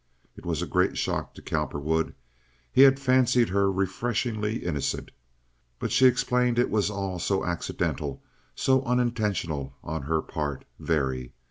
It was a great shock to Cowperwood. He had fancied her refreshingly innocent. But she explained it was all so accidental, so unintentional on her part, very.